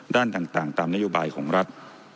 ด้านต่างตามนโยบายของรัฐ